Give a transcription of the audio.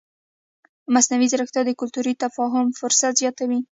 مصنوعي ځیرکتیا د کلتوري تفاهم فرصت زیاتوي.